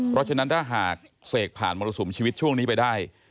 เพราะฉะนั้นถ้าหากเสกผ่านมรสุมชีวิตช่วงนี้ไปได้